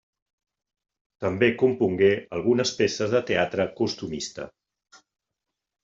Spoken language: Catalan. També compongué algunes peces de teatre costumista.